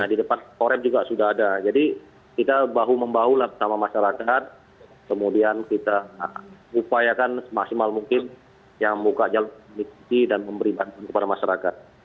di depan korem juga sudah ada jadi kita bahu membahu sama masyarakat kemudian kita upayakan semaksimal mungkin yang buka jalan mengikuti dan memberi bantuan kepada masyarakat